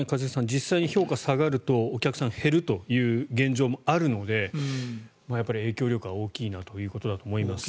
実際に評価が下がるとお客さんが減るという現状もあるので影響力は大きいなということだと思います。